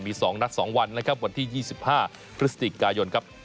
มี๒นัด๒วันนะครับวันที่๒๕พฤศจิกายนครับ